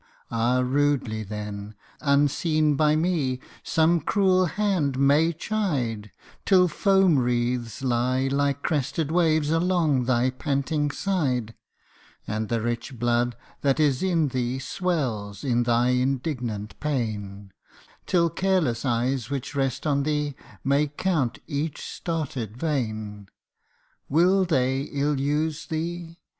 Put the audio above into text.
Ah ! rudely then, unseen by me, some cruel hand may chide, Till foam wreaths lie, like crested waves, along thy panting side: And the rich blood, that is in thee swells, in thy indignant pain, Till careless eyes, which rest on thee, may count each started vein. Will they ill use thee?